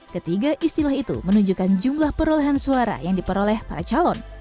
ketiga istilah itu menunjukkan jumlah perolehan suara yang diperoleh para calon